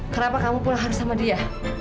kenapa kamu pulang harus sama dia